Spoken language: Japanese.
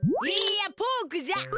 いいやポークじゃ！